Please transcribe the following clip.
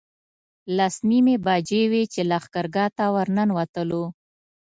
لس نیمې بجې وې چې لښکرګاه ته ورنوتلو.